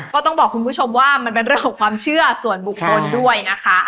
ก็ต้องบอกคุณผู้ชมว่ามันเป็นเรื่องของความเชื่อส่วนบุคคลด้วยนะคะ